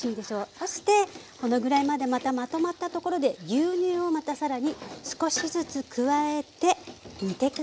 そしてこのぐらいまでまたまとまったところで牛乳をまた更に少しずつ加えて煮て下さい。